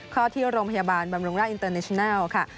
อดที่โรงพยาบาลบำรุงราชอินเตอร์เนชินัลค่ะ